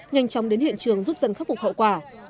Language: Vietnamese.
nhanh chóng đến hiện trường giúp dân khắc phục hậu quả